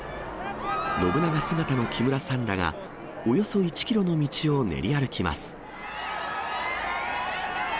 信長姿の木村さんらが、およそ１キロの道を練り歩きます。